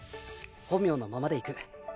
本名のままでいく。